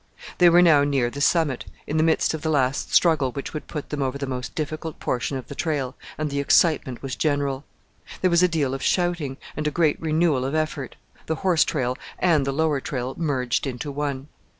They were now near the summit, in the midst of the last struggle which would put them over the most difficult portion of the trail, and the excitement was general. There was a deal of shouting, and a great renewal of effort. The horse trail and the lower trail merged into one.